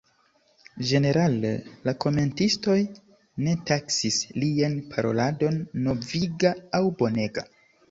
Ĝenerale, la komentistoj ne taksis lian paroladon noviga aŭ bonega.